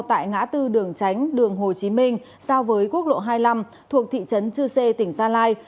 tại ngã tư đường tránh đường hồ chí minh giao với quốc lộ hai mươi năm thuộc thị trấn chư sê tỉnh gia lai